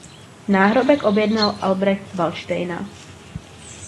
Náhrobek objednal Albrecht z Valdštejna.